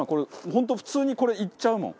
本当普通にこれいっちゃうもん。